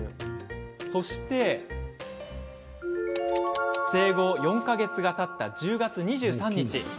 そして生後４か月がたった１０月２３日。